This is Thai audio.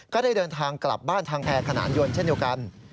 ก็ได้เดินทางกลับบ้านทางแอร์ขนานยนต์เช่นเดียวกัน